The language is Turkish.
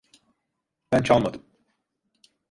Ben çalmadım.